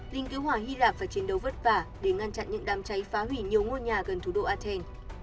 đình cứu hỏa hy lạc và chiến đấu vất vả để ngăn chặn những đám cháy phá hủy nhiều ngôi nhà gần thủ đô athens